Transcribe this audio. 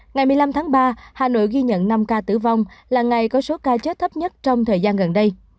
ngày một mươi năm tháng ba hà nội ghi nhận năm ca tử vong là ngày có số ca chết thấp nhất trong thời gian gần đây